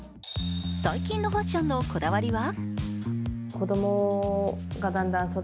最近のファッションのこだわりは？